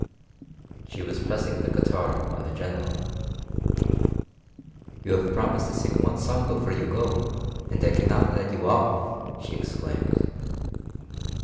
She was pressing the guitar on the General. "You have promised to sing one song before you go, and I cannot let you off," she exclaimed.